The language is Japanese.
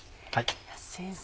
先生